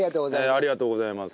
ありがとうございます。